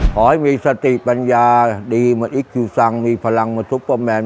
ขอให้มีสติปัญญาดีเหมือนอิ๊กคิวซังมีพลังมาซุปเปอร์แมน